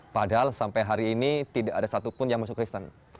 padahal sampai hari ini tidak ada satupun yang masuk kristen